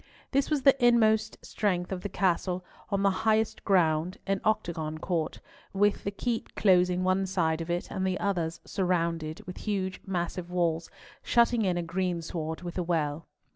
This was the inmost strength of the castle, on the highest ground, an octagon court, with the keep closing one side of it, and the others surrounded with huge massive walls, shutting in a greensward with a well.